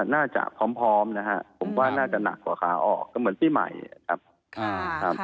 น่าจะพร้อมนะฮะผมว่าน่าจะหนักกว่าขาออกก็เหมือนปีใหม่นะครับ